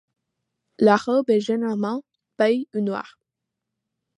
La robe est généralement baie ou noire.